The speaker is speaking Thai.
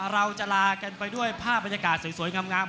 เราจะลากันไปด้วยภาพบรรยากาศสวยงาม